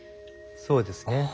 そうですね。